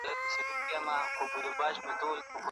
د قدرت وېش په سياست کې ډېر اړين دی.